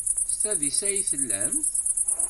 S tadist ay tellamt?